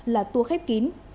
là tour khép kín